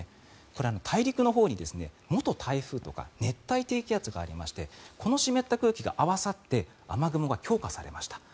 これは大陸のほうに元台風とか熱帯低気圧がありましてこの湿った空気が合わさって雨雲が強化されました。